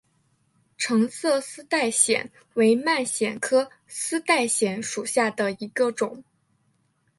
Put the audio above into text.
橙色丝带藓为蔓藓科丝带藓属下的一个种。